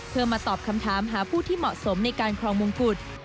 เพื่อมาตอบคำถามหาผู้ที่เหมาะสมในการครองมงกุฎ